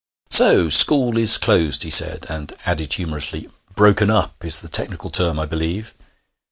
'So school is closed,' he said, and added humorously: '"Broken up" is the technical term, I believe.'